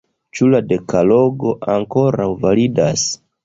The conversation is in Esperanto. Ĉu la dekalogo ankoraŭ validas?